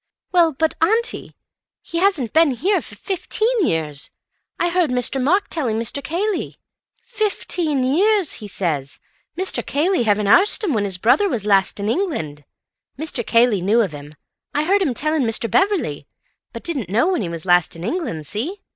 "Well, but, auntie, he hasn't been here for fifteen years. I heard Mr. Mark telling Mr. Cayley. 'Fifteen years,' he says. Mr. Cayley having arst him when his brother was last in England. Mr. Cayley knew of him, I heard him telling Mr. Beverley, but didn't know when he was last in England—see?